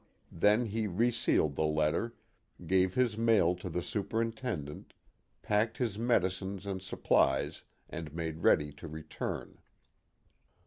Then he resealed the letter, gave his mail to the superintendent, packed his medicines and supplies, and made ready to return.